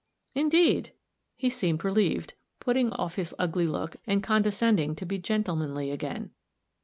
"Indeed!" he seemed relieved, putting off his ugly look and condescending to be gentlemanly again.